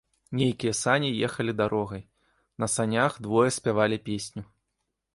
Нейкія сані ехалі дарогай, на санях двое спявалі песню.